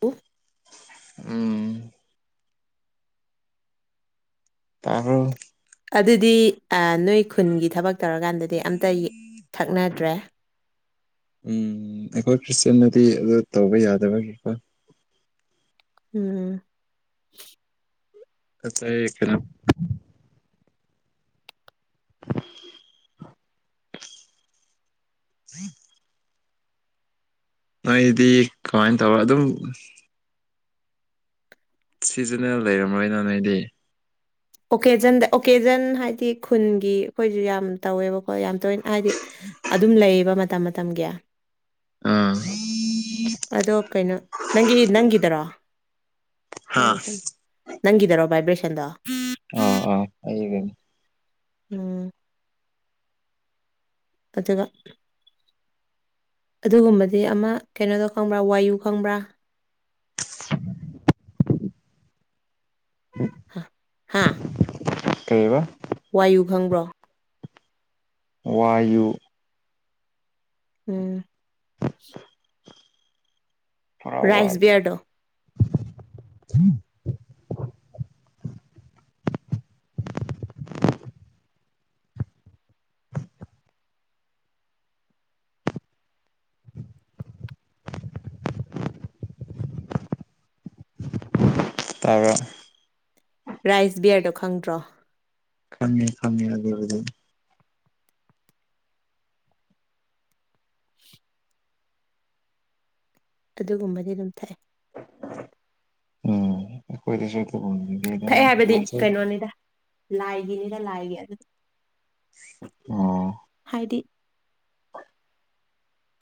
hello ꯎꯝ ꯇꯥꯔꯦ ꯑꯗꯨꯗꯤ ꯅꯣꯏ ꯈꯨꯟꯒꯤ ꯊꯕꯛ ꯇꯧꯔꯀꯥꯟꯗꯗꯤ ꯑꯝꯇ ꯊꯛꯅꯗ꯭ꯔꯦ ꯎꯝ ꯑꯩꯈꯣꯏ ꯈ꯭ꯔꯤꯁꯇꯟꯅꯗꯤ ꯑꯗꯨ ꯇꯧꯕ ꯌꯥꯗꯕꯒꯤ ꯎꯝ ꯑ ꯈꯔ [inaudible] ꯅꯣꯏꯗꯤ ꯀꯃꯥꯏꯅ ꯇꯧꯕ ꯑꯗꯨꯝ ꯁꯤꯖꯅꯦꯜ ꯂꯩꯔꯝꯔꯣꯏꯅ ꯅꯣꯏꯗꯤ ꯑꯣꯀꯦꯖꯟꯗ ꯑꯣꯀꯦꯖꯟ ꯍꯥꯏꯗꯤ ꯈꯨꯟꯒꯤ ꯑꯩꯈꯣꯏꯁꯨ ꯌꯥꯝꯅ ꯇꯧꯋꯦꯕꯀꯣ ꯌꯥꯝ ꯇꯣꯏꯅ ꯍꯥꯏꯗꯤ ꯑꯗꯨꯝ ꯂꯩꯌꯦꯕ ꯃꯇꯝ ꯃꯇꯝꯒꯤ ꯎꯝ ꯑꯗꯣ ꯀꯩꯅꯣ ꯅꯪꯒꯤ ꯍꯥ ꯅꯪꯒꯤꯗꯔꯣꯔꯁ ꯅꯪꯒꯤꯗꯔꯣ ꯕꯥꯏꯕ꯭ꯔꯦꯁꯟꯗꯣ ꯑ ꯑ ꯑꯩꯕ ꯎꯝ ꯀꯆꯒ ꯑꯗꯨꯒꯨꯝꯕꯗꯤ ꯑꯃ ꯀꯩꯅꯣꯗꯣ ꯈꯪꯕ꯭ꯔꯥ ꯋꯥꯏꯌꯨ ꯈꯪꯕ꯭ꯔꯥ ꯍ [inaudible] ꯍꯥ ꯀꯩꯕ ꯋꯥꯏꯌꯨ ꯈꯪꯕ꯭ꯔꯣ ꯋꯥꯌꯨ ꯎꯝ ꯄꯨꯔꯥ ꯔꯥꯏꯁ ꯋꯥꯌꯨ ꯕꯤꯌꯥꯔꯗꯣ [inaudible] ꯇꯥꯔ ꯔꯥꯏꯁ ꯕꯤꯌꯔꯗꯣ ꯈꯪꯗ꯭ꯔꯣ ꯐꯝꯦ ꯐꯝ ꯑꯗꯨ ꯑꯗꯨꯒꯨꯝꯕꯗꯤ ꯑꯗꯨꯝ ꯊꯛꯑꯦ ꯎꯝꯈꯣꯏꯗꯤꯁꯨꯣꯏ ꯇ ꯊꯛꯑꯦ ꯍꯥꯏꯕꯗꯤ ꯀꯩꯅꯣꯅꯤꯗ ꯂꯥꯏꯒꯤꯅꯤꯗ ꯂꯥꯏꯒꯤ ꯑꯗꯨ ꯑꯣ ꯍꯥꯏꯗꯤ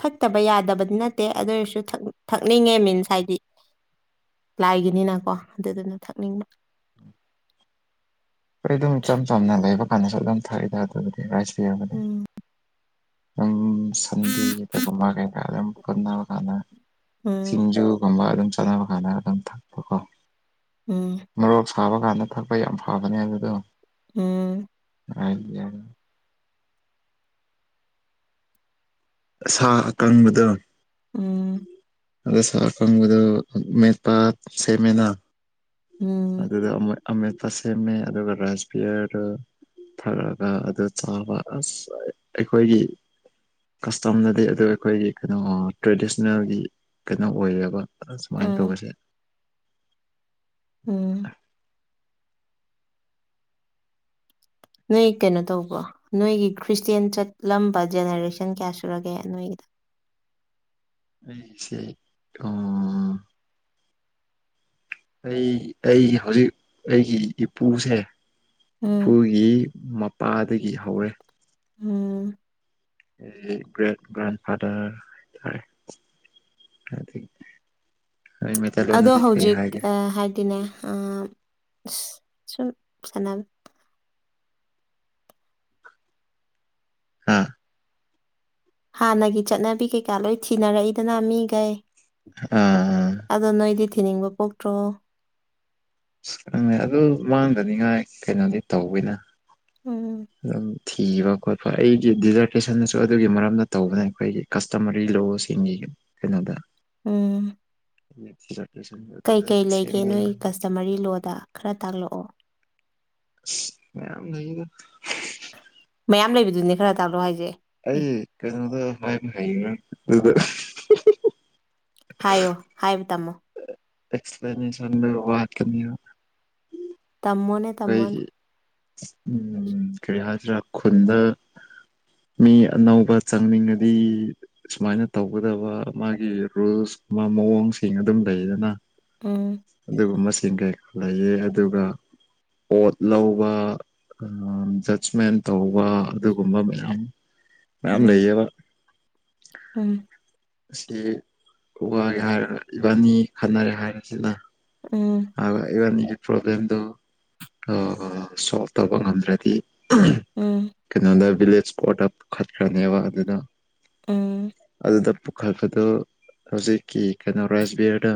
ꯊꯛꯇꯕ ꯌꯥꯗꯕꯗꯤ ꯅꯠꯇꯦ ꯑꯗꯨ ꯑꯣꯏꯔꯁꯨ ꯊꯛꯅꯤꯡꯉꯦ ꯃꯤꯟꯁ ꯍꯥꯏꯗꯤ ꯂꯥꯏꯒꯤꯅꯤꯅꯀꯣ ꯑꯗꯨꯗꯨꯅ ꯊꯛꯅꯤꯡꯕ ꯑꯩ ꯑꯗꯨꯝ ꯏꯆꯝ ꯆꯝꯅ ꯂꯩꯕ ꯀꯥꯟꯗꯁꯨ ꯑꯗꯨꯝ ꯊꯛꯏꯗ ꯑꯗꯨꯗꯤꯥꯏꯁ ꯎꯝ ꯑꯗꯨꯝ ꯁꯟꯗꯦ ꯀꯩꯒꯨꯝꯕ ꯀꯩꯀꯥ ꯑꯗꯨꯝ ꯄꯨꯟꯅꯕ ꯀꯥꯟꯗ ꯎꯝ ꯁꯤꯡꯖꯨꯒꯨꯝꯕ ꯑꯗꯨꯝ ꯆꯥꯅꯕ ꯀꯥꯟꯗ ꯑꯗꯨꯝ ꯊꯛꯄꯀꯣ ꯎꯝ ꯃꯔꯣꯛ ꯁꯥꯕ ꯀꯥꯟꯗ ꯊꯛꯄ ꯌꯥꯝ ꯐꯕꯅꯦ ꯑꯗꯨꯗꯣ ꯎꯝ ꯍꯥꯏ ꯁꯥ ꯑꯀꯪꯕꯗ ꯎꯝ ꯑꯗꯨꯗ ꯁꯥꯀꯗꯨ ꯃꯦꯠ ꯄ ꯁꯦꯃꯦꯅ ꯎꯝ ꯑꯗꯨꯗ ꯑꯃ ꯑꯃꯠꯄ ꯁꯦꯝꯃꯦ ꯑꯗꯨꯒ ꯔꯥꯥꯁꯕꯤꯌꯔ ꯊꯔꯛꯑꯒ ꯑꯗꯨ ꯆꯥꯎꯥꯕ ꯑꯁ ꯑꯩꯈꯣꯏꯒꯤ ꯀꯁꯇꯝꯅꯗꯤ ꯑꯗꯨ ꯑꯩꯈꯣꯏꯒꯤ ꯀꯩꯅꯣ ꯇ꯭ꯔꯦꯗꯤꯁꯅꯦꯜꯒꯤ ꯀꯩꯅꯣ ꯑꯣꯏꯌꯦꯕ ꯑ ꯁꯨꯃꯥꯏꯅ ꯎꯝ ꯇꯧꯧꯕꯁꯦ ꯎꯝ ꯅꯣꯏ ꯀꯩꯅꯣ ꯇꯧꯕꯣ ꯅꯣꯏꯒꯤ ꯈ꯭ꯔꯤꯁꯇꯦꯟ ꯆꯠꯂꯝꯕ ꯖꯦꯅꯦꯔꯦꯁꯟ ꯀꯌꯥ ꯁꯨꯔꯒꯦ ꯅꯣꯏꯒꯤꯗ ꯑꯣ ꯑꯩ ꯑꯩꯒꯤ ꯍꯧꯖꯤꯛ ꯑꯩꯒꯤ ꯏꯄꯨꯁꯦ ꯎꯝ ꯏꯄꯨꯒꯤ ꯃꯄꯥꯗꯒꯤ ꯍꯧꯔꯦ ꯎꯝ ꯒ꯭ꯔꯦꯠ ꯒ꯭ꯔꯦꯟ ꯐꯥꯗꯔ ꯍꯥꯏꯇꯥꯔꯦ ꯑꯗꯨ ꯊ ꯑꯗꯣ ꯍꯧꯖꯤꯛ ꯍꯥꯏꯗꯤꯅꯦ ꯁꯨꯝ ꯁꯅ ꯍꯥ ꯍꯥꯟꯅꯒꯤ ꯆꯠꯅꯕꯤ ꯀꯩꯀꯥ ꯂꯣꯏ ꯊꯤꯅꯔꯛꯏꯗꯅ ꯃꯤꯈꯩ ꯑꯥ ꯑꯗꯣ ꯅꯣꯏꯗꯤ ꯊꯤꯅꯤ ꯅꯤꯡꯤꯡꯕꯣꯇꯣ ꯑ ꯈꯪꯉ ꯑꯗꯨ ꯃꯥꯡꯗꯅꯤꯉꯥꯏ ꯀꯩꯅꯣꯗꯤ ꯇꯧꯕꯤꯅ ꯎꯝ ꯑꯗꯨꯝ ꯊꯤꯕ ꯈꯣꯠꯄ ꯑꯩꯒꯤ ꯗꯤꯖꯔꯇꯦꯁꯟꯅꯁꯨ ꯑꯗꯨꯒꯤ ꯃꯔꯝꯗ ꯇꯧꯕꯅ ꯑꯩꯈꯣꯏꯒꯤ ꯀꯁꯇꯃꯔꯤ ꯂꯣꯁꯤꯡ ꯀꯩꯅꯣꯗ ꯎꯝ [unintelligible] ꯖꯃꯔꯤ ꯂꯣꯗ ꯈꯔ ꯇꯥꯛꯂꯛꯑꯣ ꯃꯌꯥꯝ ꯂꯩꯗ ꯃꯌꯥꯝ ꯂꯩꯕꯗꯨꯅꯦ ꯈꯔ ꯇꯥꯛꯂꯣ ꯍꯥꯏꯖꯦ [unintelligible] ꯍꯥꯏꯌꯣ ꯍꯥꯏꯕ ꯇꯝꯃꯣ ꯑꯦꯛꯁꯄ꯭ꯂꯦꯅꯦꯁꯟꯗ ꯄꯥꯠꯀꯅꯤꯕ ꯇꯝꯃꯣꯅꯦ ꯇꯝꯃꯣꯅꯦ ꯑꯩꯈꯣꯏꯒꯤ ꯎꯝ ꯀꯔꯤ ꯍꯥꯏꯁꯤꯔꯥ ꯈꯨꯟꯗ ꯃꯤ ꯑꯅꯧꯕ ꯆꯪꯅꯤꯡꯉꯗꯤ ꯁꯨꯃꯥꯏꯅ ꯇꯧꯒꯗꯕ ꯃꯥꯒꯤ ꯔꯨꯜꯁ ꯃꯥ ꯃꯑꯣꯡꯁꯤꯡ ꯑꯗꯨꯝ ꯂꯩꯗꯅ ꯎꯝ ꯑꯗꯨꯒꯨꯝꯕꯁꯤꯡꯒꯤ ꯂꯩꯌꯦ ꯑꯗꯨꯒ ꯄꯣꯠ ꯂꯧꯕ ꯖꯁꯃꯦꯟ ꯇꯧꯕ ꯑꯗꯨꯒꯨꯝꯕ ꯃꯌꯥꯝ ꯃꯌꯥꯝ ꯎꯝ ꯂꯩꯌꯦꯕ ꯎꯝ ꯑꯁꯤ ꯎ ꯋꯥ ꯍꯥꯏꯔ ꯏꯕꯥꯅꯤ ꯈꯟꯅꯔꯦ ꯍꯥꯏꯔꯁꯤꯅ ꯎꯝ ꯏꯕꯟꯒꯤ ꯄ꯭ꯔꯣꯕ꯭ꯂꯦꯝꯗꯨ ꯁꯣꯜꯕ ꯇꯧꯕ ꯉꯝꯗ꯭ꯔꯗꯤ ꯎꯝ ꯀꯩꯅꯣꯗ ꯚꯤꯂꯦꯖ ꯏꯁꯄꯣꯠ ꯈꯠꯈ꯭ꯔꯅꯦꯕ ꯑꯗꯨꯗ ꯎꯝ ꯑꯗꯨꯗ ꯄꯨꯈꯠꯄꯗꯣ ꯍꯧꯖꯤꯛꯀꯤ ꯀꯩꯅꯣ ꯔꯥꯏꯁ ꯕꯤꯌꯔꯗ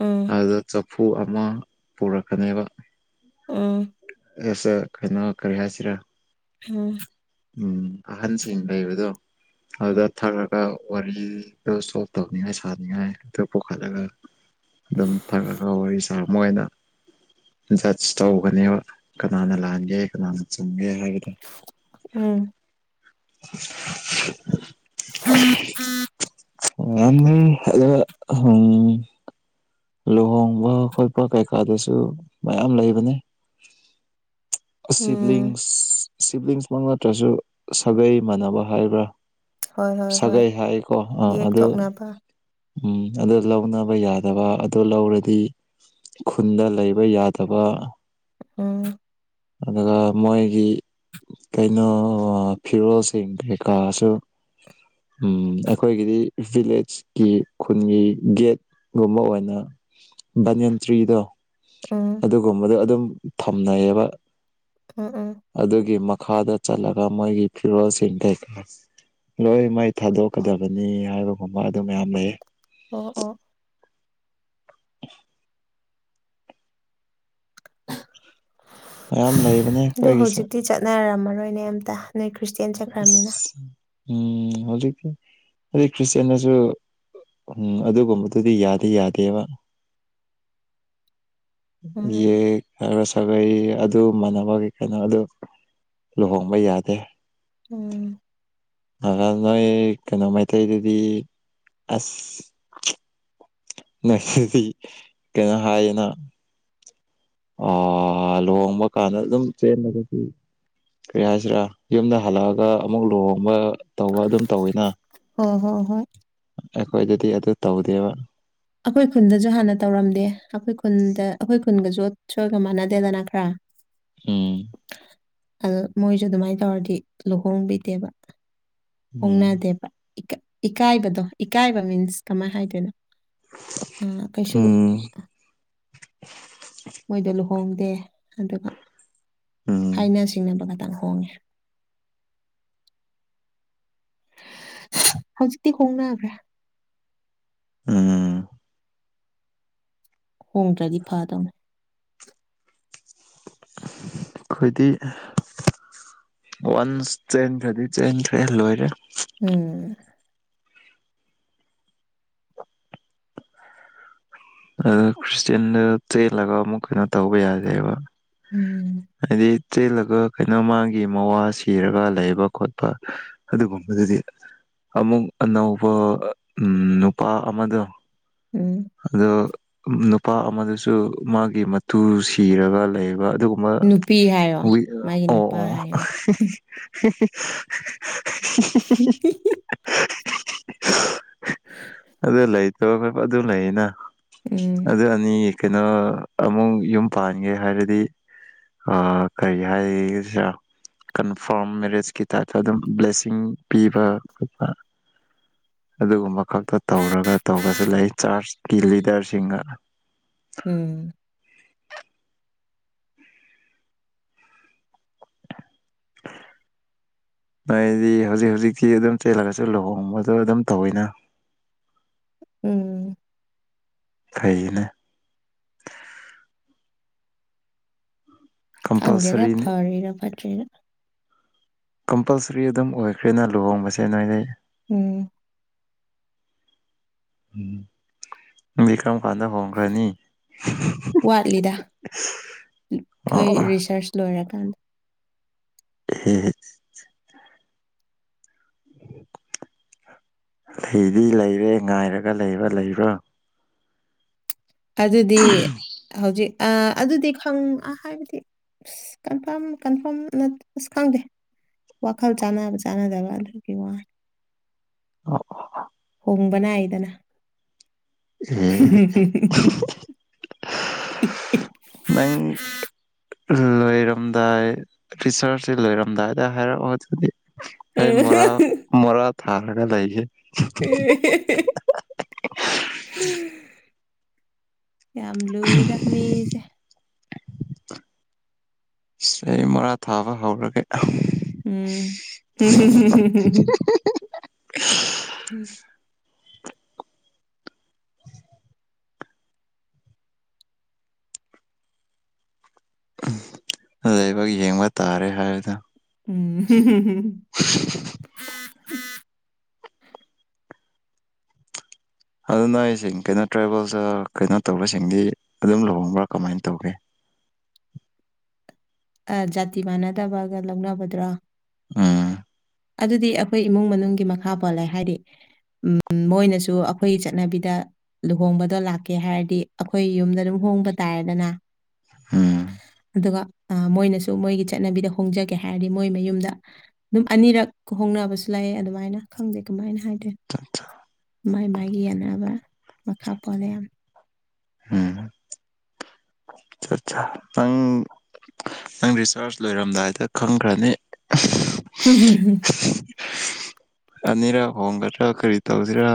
ꯎꯝ ꯑꯗꯨꯗ ꯆꯐꯨ ꯑꯃ ꯄꯨꯔꯛꯀꯅꯦꯕ ꯎꯝ ꯌꯦꯁ ꯀꯩꯅ ꯀꯔꯤ ꯍꯥꯏꯁꯤꯔꯥ ꯎꯝ ꯎꯝ ꯑꯍꯟꯁꯤꯡ ꯂꯩꯕꯗꯣ ꯑꯗꯨꯗ ꯊꯥꯛꯔꯒ ꯋꯥꯔꯤꯗꯣ ꯁꯣꯛꯇꯕꯅꯤꯅ ꯁꯥꯅꯤꯡꯉꯥꯏ ꯑꯗꯨ ꯄꯨꯈꯠꯂꯒ ꯑꯗꯨꯝ ꯊꯛꯔꯒ ꯋꯥꯔꯤ ꯁꯥ ꯃꯣꯏꯅ ꯖꯁ꯭ꯗ ꯇꯧꯒꯅꯦꯕ ꯀꯅꯥꯅ ꯂꯥꯟꯒꯦ ꯀꯅꯥꯅ ꯆꯨꯝꯒꯦ ꯍꯥꯏꯕꯗꯣ ꯎꯝ ꯅꯪ ꯑꯗ ꯑꯍꯨꯝ ꯂꯨꯍꯣꯡꯕ ꯈꯣꯠꯄ ꯀꯩꯀꯥꯗꯁꯨ ꯃꯌꯥꯝ ꯂꯩꯕꯅꯤ ꯎꯝ ꯁꯤꯕ꯭ꯂꯤꯡꯁ ꯁꯤꯕ꯭ꯂꯤꯡꯁꯃꯛ ꯅꯠꯇ꯭ꯔꯁꯨ ꯁꯥꯒꯩ ꯃꯥꯟꯅꯕ ꯍꯥꯏꯕ꯭ꯔꯥ ꯍꯣꯏ ꯍꯣꯏ ꯍꯣꯏ ꯁꯥꯒꯩ ꯍꯥꯏꯀꯣ ꯑꯥ ꯑꯗꯨ ꯌꯦꯛꯊꯣꯛꯅꯕ ꯎꯝ ꯑꯗꯨ ꯂꯧꯅꯕ ꯌꯥꯗꯕ ꯑꯗꯨ ꯂꯧꯔꯗꯤ ꯈꯨꯟꯗ ꯂꯩꯕ ꯌꯥꯗꯕ ꯎꯝ ꯑꯗꯨꯒ ꯃꯣꯏꯒꯤ ꯀꯩꯅꯣ ꯐꯤꯔꯣꯜꯁꯤꯡ ꯀꯩꯀꯥꯁꯨ ꯎꯝ ꯑꯩꯈꯣꯏꯒꯤꯗꯤ ꯚꯤꯂꯦꯖꯀꯤ ꯈꯨꯟꯒꯤ ꯒꯦꯠ ꯒꯨꯝꯕ ꯑꯣꯏꯅ ꯚꯅꯤꯌꯟ ꯇ꯭ꯔꯤꯗꯣ ꯎꯝ ꯑꯗꯨꯒꯨꯝꯕꯗꯣ ꯑꯗꯨꯝ ꯊꯝꯅꯩꯌꯦꯕ ꯎꯝ ꯎꯝ ꯑꯗꯨꯒꯤ ꯃꯈꯥꯗ ꯆꯠꯂꯒ ꯃꯣꯏꯒꯤ ꯐꯤꯔꯣꯜꯁꯤꯡ ꯀꯩꯀꯥ ꯂꯣꯏ ꯃꯩ ꯊꯥꯗꯣꯛꯀꯗꯕꯅꯤ ꯍꯥꯏꯕꯒꯨꯝꯕ ꯑꯗꯨ ꯃꯌꯥꯝ ꯂꯩꯌꯦ ꯑꯣ ꯑꯣ [unintelligible] [inaudible] ꯃꯌꯥꯝ ꯂꯩꯕꯅꯦ ꯑꯗꯣ ꯑꯩꯈꯣꯏꯒꯤꯁꯨ ꯍꯧꯖꯤꯛꯇꯤ ꯆꯠꯅꯔꯝꯃꯔꯣꯏꯅꯦ ꯑꯝꯇ ꯅꯣꯏ ꯈ꯭ꯔꯤꯁꯇꯤꯌꯥꯟ ꯆꯠꯈ꯭ꯔꯝꯃꯤꯅ ꯑꯁ ꯎꯝ ꯍꯧꯖꯤꯛꯗꯤ ꯈꯣꯏ ꯈ꯭ꯔꯤꯁꯇꯤꯌꯟꯗꯁꯨ ꯎꯝ ꯑꯗꯨꯒꯨꯝꯕꯗꯨꯗꯤ ꯌꯥꯗꯤ ꯌꯥꯗꯦꯕ [inaudible] ꯌꯦ ꯍꯥꯏꯔ ꯁꯥꯒꯩ ꯑꯗꯨ ꯃꯥꯟꯅꯕꯒꯤ ꯀꯩꯅꯣ ꯑꯗꯨ ꯂꯨꯍꯣꯡꯕ ꯌꯥꯗꯦ ꯎꯝ ꯅꯒꯥ ꯅꯣꯏ ꯀꯩꯅꯣ ꯃꯩꯇꯩꯗꯗꯤ ꯑꯁ ꯅ ꯑꯗꯨꯗꯤ ꯀꯩꯅꯣ ꯍꯥꯏꯌꯦꯅ ꯑ ꯂꯨꯍꯣꯡꯕ ꯀꯥꯟꯗ ꯑꯗꯨꯝ ꯆꯦꯟꯂꯒꯗꯤ ꯀꯔꯤ ꯍꯥꯏꯁꯤꯔꯥ ꯌꯨꯝꯗ ꯍꯟ ꯂꯥꯛ ꯑꯒꯥ ꯑꯃꯨꯛ ꯂꯨꯍꯣꯡꯕ ꯇꯧꯕ ꯑꯗꯨꯝ ꯇꯣꯌꯅꯥ ꯍꯣ ꯍꯣ ꯍꯣꯏ ꯑꯩꯈꯣꯏꯗꯗꯤ ꯑꯗꯨ ꯇꯧꯗꯦꯕ ꯑꯩꯈꯣꯏ ꯈꯨꯟꯗꯁꯨ ꯍꯥꯟꯅ ꯇꯧꯔꯝꯗꯦ ꯑꯩꯈꯣꯏ ꯈꯨꯟꯗ ꯑꯩꯈꯣꯏ ꯈꯨꯟꯒꯁꯨ ꯁꯣꯝꯒ ꯃꯥꯟꯅꯗꯦꯗꯅ ꯈ꯭ꯔ ꯎꯝ ꯑꯗ ꯃꯣꯏꯁꯨ ꯑꯗꯨꯃꯥꯏꯅ ꯇꯧꯔꯗꯤ ꯂꯨꯍꯣꯡꯕꯤꯗꯦꯕ ꯎꯝ ꯍꯣꯡꯅꯗꯦꯕ ꯏꯀꯥꯏ ꯏꯀꯥꯏꯕꯗꯣ ꯏꯀꯥꯏꯕ ꯃꯤꯟꯁ ꯀꯃꯥꯏꯅ ꯍꯥꯏꯗꯣꯏꯅꯣ ꯎꯝ ꯀꯩꯁꯨ ꯎꯝ ꯃꯣꯏꯗꯣ ꯂꯨꯍꯣꯡꯗꯦ ꯑꯗꯨꯒ ꯎꯝ ꯍꯥꯏꯅ ꯁꯤꯡꯅꯕ ꯈꯇꯪ ꯍꯣꯡꯉꯦ ꯍꯧꯖꯤꯛꯇꯤ ꯍꯣꯡꯅꯒ꯭ꯔꯦ ꯎꯝ ꯍꯣꯡꯗ꯭ꯔꯗꯤ ꯐꯥꯗꯧꯅꯦ ꯑꯩꯈꯣꯏꯗꯤ ꯋꯥꯟꯁ ꯆꯦꯟꯈ꯭ꯔꯗꯤ ꯆꯦꯟꯈ꯭ꯔꯦ ꯂꯣꯏꯔꯦ ꯎꯝ ꯑ ꯈ꯭ꯔꯤꯁꯇꯌꯟꯗ ꯆꯦꯜꯂꯒ ꯑꯃꯨꯛ ꯀꯩꯅꯣ ꯇꯧꯕ ꯌꯥꯗꯦꯕ ꯎꯝ ꯍꯥꯏꯗꯤ ꯆꯤꯜꯂꯒ ꯀꯩꯅꯣ ꯃꯥꯒꯤ ꯃꯋꯥ ꯁꯤꯔꯒ ꯂꯩꯕ ꯈꯣꯠꯄ ꯑꯗꯨꯒꯨꯝꯕꯗꯨꯗꯤ ꯑꯃꯨꯛ ꯑꯅꯧꯕ ꯎ ꯅꯨꯄꯥ ꯑꯃꯗꯣ ꯎꯝ ꯑꯗꯣ ꯅꯨꯄꯥ ꯑꯃꯗꯨꯁꯨ ꯃꯥꯒꯤ ꯃꯇꯨ ꯁꯤꯔꯒ ꯂꯩꯕ ꯑꯗꯨꯒ ꯅꯨꯄꯤ ꯍꯥꯏꯌꯣ ꯑꯣ ꯃꯥꯒꯤ ꯅꯨꯄꯥ ꯑꯣ [inaudible] ꯍꯥꯏꯌꯣ [inaudible] ꯑꯗꯨ ꯂꯩꯇꯣꯏ ꯑꯗꯨ ꯂꯩꯅ ꯎꯝ ꯑꯗꯨ ꯑꯅꯤ ꯀꯩꯅꯣ ꯑꯃꯨꯛ ꯌꯨꯝ ꯄꯥꯟꯒꯦ ꯍꯥꯏꯔꯗꯤ ꯑ ꯀꯔꯤ ꯍꯥꯏꯁꯤ ꯔ꯭ꯥ ꯀꯟꯐꯥꯔꯝ ꯃꯦꯔꯦꯖꯀꯤ ꯇꯥꯏꯞꯇ ꯑꯗꯨꯝ ꯕ꯭ꯂꯦꯁꯤꯡ ꯄꯤꯕ ꯈꯣꯠꯄ ꯑꯗꯨꯒꯨꯝꯕ ꯈꯛꯇ ꯇꯧꯔꯒ ꯇꯧꯕꯁꯨ ꯂꯩ ꯆꯥꯔꯆꯀꯤ ꯂꯤꯗꯔꯁꯤꯡꯅ ꯎꯝ [inaudible] ꯍꯥꯏꯗꯤ ꯍꯧꯖꯤꯛ ꯍꯧꯖꯤꯛꯤ ꯑꯗꯨꯝ ꯆꯦꯜꯂꯒꯁꯨ ꯂꯨꯍꯣꯡꯕꯗꯣ ꯑꯗꯨꯝ ꯇꯧꯋꯤꯅ ꯎꯝ ꯐꯩꯅꯦ ꯈꯪꯒꯦꯗ ꯀꯝꯄꯜꯁꯔꯤ ꯐꯔꯔ ꯐꯠꯇꯔꯤꯔ ꯀꯝꯄꯜꯁꯔꯤ ꯑꯗꯨꯝ ꯑꯣꯏꯈ꯭ꯔꯦꯅ ꯂꯨꯍꯣꯡꯕꯁꯦ ꯅꯣꯏꯗ ꯎꯝ ꯎꯝ ꯀ꯭ꯔꯝ ꯀꯥꯟꯗ ꯍꯣꯡꯈ꯭ꯔꯅꯤ ꯑꯣ ꯊꯣꯏ ꯑꯣ [inaudible] ꯂꯣꯏꯔ ꯀꯥꯟ [inaudible] ꯍꯝ ꯍ [inaudible] ꯂꯩꯗꯤ ꯂꯩꯔꯦ ꯉꯥꯏꯔꯒ ꯂꯩꯔꯣ ꯂꯩꯕꯣ [inaudible] ꯑꯗꯨꯗꯤ ꯍꯧꯖꯤꯛ ꯑꯗꯨꯗꯤ ꯈꯪ ꯍꯥꯏꯕꯗꯤ ꯑ ꯀꯟꯐꯥꯔꯝ ꯀꯟꯐꯥꯝ ꯑꯁ ꯈꯪꯗꯦ ꯋꯥꯈꯜ ꯆꯥꯟꯅꯕ ꯆꯥꯟꯅꯗꯕ ꯑꯗꯨꯒꯤ ꯋꯥꯅꯤ ꯑꯣ ꯍꯣꯡꯕ ꯅꯥꯏꯗꯅ ꯍꯝ [unintelligible] [unintelligible] ꯅꯪ ꯂꯣꯏꯔꯝꯗꯥꯏ ꯔꯤꯁꯥꯔꯁꯁꯦ ꯂꯣꯏꯔꯝꯗꯥꯏꯗ ꯍꯥꯏꯔꯛꯑꯣꯗꯨꯗꯤ ꯑꯩ ꯃꯣꯔꯥ ꯃꯣꯔ ꯊꯥ ꯂꯩꯁꯦ ꯍ ꯌꯥꯝ ꯂꯨ ꯏꯗ ꯃꯤꯁꯦ ꯁꯤ ꯆꯍꯤ ꯃꯥ ꯊꯥꯕ ꯍꯧꯔꯒꯦ ꯎꯝ ꯂꯥꯏꯕꯛ ꯌꯦꯡꯕ ꯇꯥꯔꯦ ꯍꯥꯏꯕꯗ ꯎꯝ ꯑꯗꯨꯅ ꯑꯩꯁꯤꯡ ꯀꯩꯅꯣ ꯇ꯭ꯔꯥꯕꯦꯜꯁ ꯀꯩꯅꯣ ꯇꯧꯕꯔꯁꯤꯡꯗꯤ ꯑꯗꯨꯝ ꯂꯨꯍꯣꯡꯕ꯭ꯔꯥ ꯀꯃꯥꯏꯅ ꯇꯧꯒꯦ ꯑ ꯖꯥꯇꯤ ꯃꯥꯟꯅꯗꯕꯒ ꯂꯧꯅꯕꯗ꯭ꯔꯣ ꯑꯥ ꯑꯗꯨꯗꯤ ꯑꯩꯈꯣꯏ ꯏꯃꯨꯡ ꯃꯅꯨꯡꯒꯤ ꯃꯈꯥ ꯄꯣꯜꯂꯦ ꯍꯥꯏꯗꯤ ꯃꯣꯏꯅꯁꯨ ꯑꯩꯈꯣꯏꯒꯤ ꯆꯠꯅꯕꯤꯗ ꯂꯨꯍꯣꯡꯕꯗꯣ ꯂꯥꯛꯀꯦ ꯍꯥꯏꯔꯗꯤ ꯑꯩꯈꯣꯏ ꯌꯨꯝꯗ ꯑꯗꯨꯝ ꯍꯣꯡꯕ ꯇꯥꯔꯦꯗꯅ ꯎꯝ ꯑꯗꯨꯒ ꯃꯣꯏꯅꯁꯨ ꯃꯣꯏꯒꯤ ꯆꯠꯅꯕꯤꯗ ꯍꯣꯡꯖꯒꯦ ꯍꯥꯏꯔꯗꯤ ꯃꯣꯏ ꯃꯌꯨꯝꯗ ꯑꯗꯨꯝ ꯑꯅꯤꯔꯛ ꯍꯣꯡꯅꯕꯁꯨ ꯂꯩꯑꯦ ꯑꯗꯨꯃꯥꯏꯅ ꯈꯪꯖꯩ ꯀꯃꯥꯏꯅ ꯍꯥꯏꯗꯦ ꯃꯥꯏ ꯃꯥꯏꯒꯤ ꯌꯦꯟꯅꯅꯕ ꯃꯈꯥ ꯄꯣꯜꯂꯦ ꯌꯥꯝ ꯎꯝ ꯑꯆꯥ ꯑꯆꯥ ꯇꯪ ꯅꯪ ꯔꯤꯆꯥꯔꯖ ꯂꯣꯏꯔꯝꯗꯥꯏꯗ ꯈꯪꯒ꯭ꯔꯅꯤ ꯍꯨꯝ ꯍꯨꯝ ꯍꯝ ꯑꯅꯤꯔꯛ ꯍꯣꯡꯒꯗ꯭ꯔꯥ ꯀꯔꯤ ꯇꯧꯁꯤꯔꯥ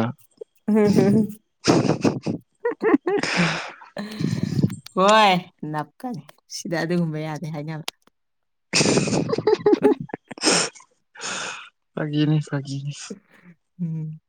ꯎꯝ ꯍꯝ [unintelligible] ꯑ [unintelligible] ꯍꯣꯏ ꯅꯞꯀꯅꯤ ꯁꯤꯗ ꯑꯗꯨꯒꯨꯝꯕ ꯌꯥꯗꯦ ꯍꯥꯏꯅꯕ [unintelligible] ꯐꯒꯤꯅꯤ ꯐꯒꯅꯤ ꯎꯝ